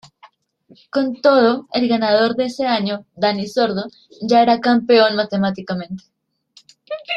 Con todo, el ganador de ese año, Dani Sordo, ya era campeón matemáticamente.